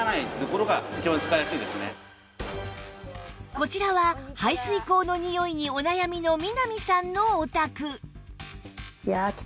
こちらは排水口のにおいにお悩みの南さんのお宅